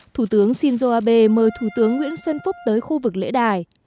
thủ tướng shinzo abe mời thủ tướng nguyễn xuân phúc tới khu vực lễ đài